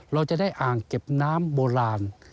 เราจะได้อ่างเก็บน้ำโบราณ